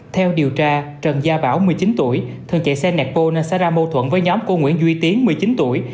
theo điều tra trần gia bảo một mươi chín tuổi thường chạy xe nạc pona xa ra mâu thuẫn với nhóm cô nguyễn duy tiến một mươi chín tuổi